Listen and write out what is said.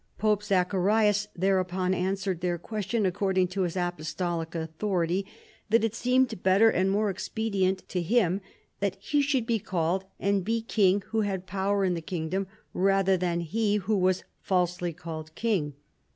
Pope Zacharias thereupon an swered their question according to his apostolic authority, that it seemed better and more expedient to him that he should be called and be king who had power in the kingdom rather than he who was falsely called king.